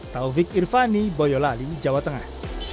taufik irvani boyolali jawa tengah